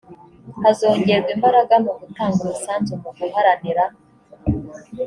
hazongerwa imbaraga mu gutanga umusanzu mu guharanira